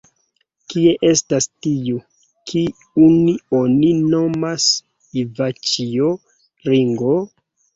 Kie estas tiu, kiun oni nomas Ivaĉjo Ringo?